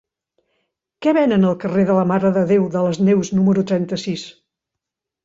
Què venen al carrer de la Mare de Déu de les Neus número trenta-sis?